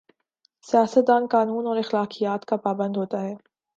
سیاست دان قانون اور اخلاقیات کا پابند ہو تا ہے۔